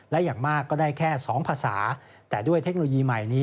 และอย่างมากก็ได้แค่๒ภาษาแต่ด้วยเทคโนโลยีใหม่นี้